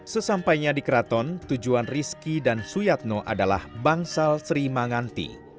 sesampainya di keraton tujuan rizky dan suyatno adalah bangsal sri manganti